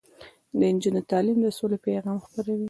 د نجونو تعلیم د سولې پیغام خپروي.